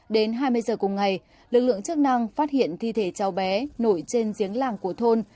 đến hai mươi giờ cùng ngày lực lượng chức năng phát hiện thi thể cháu bé nổi trên giếng làng của thôn